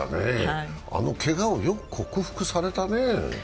あのけがをよく克服されたねえ。